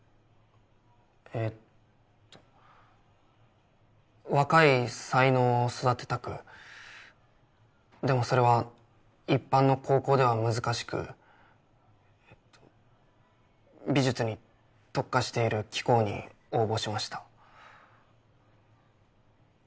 ええっと若い才能を育てたくでもそれは一般の高校では難しくえっと美術に特化している貴校に応募しました。